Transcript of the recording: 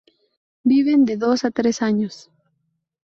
Viven de dos a tres años.